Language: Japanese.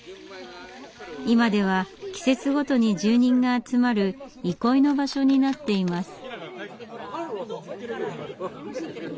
今では季節ごとに住人が集まる憩いの場所になっています。